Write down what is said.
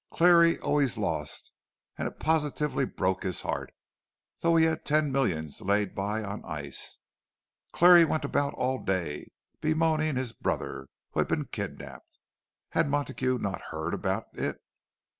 Clarrie always lost, and it positively broke his heart, though he had ten millions laid by on ice. Clarrie went about all day, bemoaning his brother, who had been kidnapped. Had Montague not heard about it?